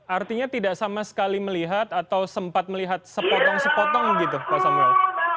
artinya tidak sama sekali melihat atau sempat melihat sepotong sepotong gitu pak samuel